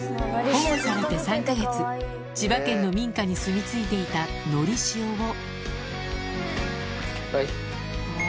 保護されて３か月、千葉県の民家に住み着いていたのりしおを。